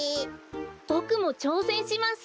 ボクもちょうせんします！